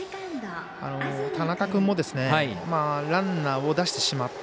田中君もランナーを出してしまった。